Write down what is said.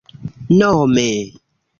nome